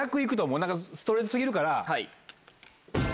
何かストレート過ぎるから。